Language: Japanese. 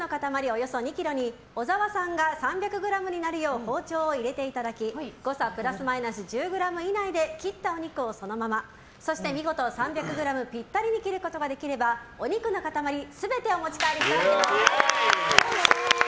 およそ２ｋｇに小沢さんが３００ｇになるよう包丁を入れていただき誤差プラスマイナス１０ｇ以内で切ったお肉をそのままそして見事３００ｇぴったりに切ることができればお肉の塊全てお持ち帰りいただけます。